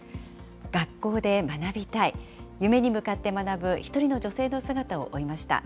学校で学びたい、夢に向かって学ぶ１人の女性の姿を追いました。